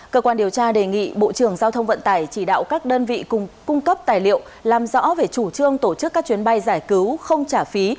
cơ quan điều tra đề nghị bộ trưởng giao thông vận tải chỉ đạo các đơn vị cung cấp tài liệu làm rõ về chủ trương tổ chức các chuyến bay giải cứu không trả phí